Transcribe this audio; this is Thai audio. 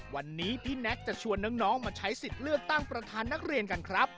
วันนี้พี่แน็กจะชวนน้องมาใช้สิทธิ์เลือกตั้งประธานนักเรียนกันครับ